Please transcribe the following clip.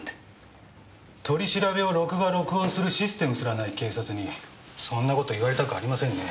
取り調べを録画録音するシステムすらない警察にそんな事言われたくありませんね。